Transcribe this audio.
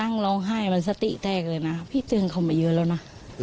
ร้องไห้มันสติแตกเลยนะพี่เตือนเขามาเยอะแล้วนะ